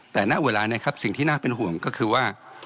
แต่ณเวลานี้ครับสิ่งที่น่าเป็นห่วงก็คือว่า